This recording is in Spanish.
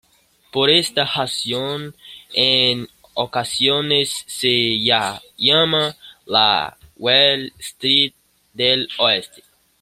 Por esta razón, en ocasiones se la llama "la Wall Street del Oeste".